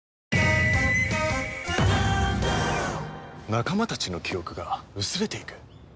仲間たちの記憶が薄れていく？